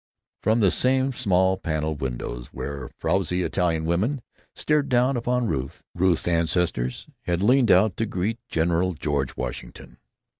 From the same small paned windows where frowsy Italian women stared down upon Ruth, Ruth's ancestors had leaned out to greet General George Washington.